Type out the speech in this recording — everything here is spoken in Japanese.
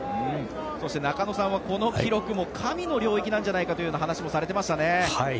そして、中野さんはこの記録は神の領域なんじゃないかという話をされていましたね。